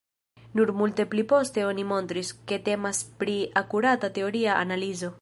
Nur multe pli poste oni montris, ke temas pri akurata teoria analizo.